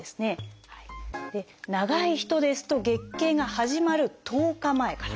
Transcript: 長い人ですと月経が始まる１０日前から。